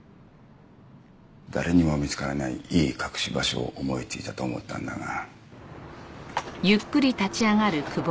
誰にも見つからないいい隠し場所を思いついたと思ったんだが。